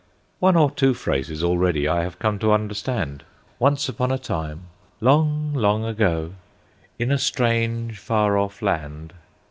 One or two phrases already I have come to understand: "Once upon a time"—"Long, long ago"—"In a strange, far off land."